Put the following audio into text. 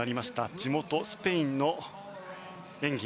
地元スペインの演技。